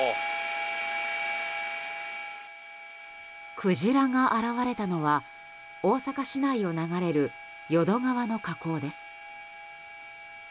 クジラが現れたのは大阪市内を流れる淀川の河口です。